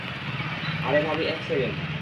আরে ভাবি, এক সেকেন্ড!